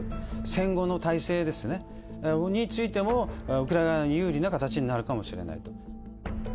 戦後の体制についても、ウクライナ側に有利な形になるかもしれないと。